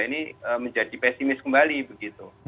ini menjadi pesimis kembali begitu